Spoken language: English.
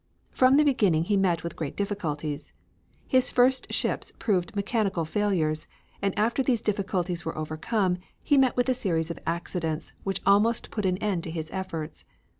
From the beginning he met with great difficulties. His first ships proved mechanical failures, and after these difficulties were overcome he met with a series of accidents which almost put an end to his efforts.